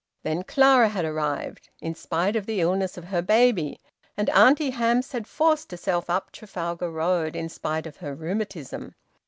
Then Clara had arrived, in spite of the illness of her baby, and Auntie Hamps had forced herself up Trafalgar Road, in spite of her rheumatism.